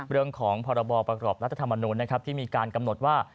เรื่องของพลรมที่กำหนดว่า